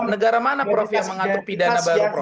negara mana prof yang mengatur pidana baru prof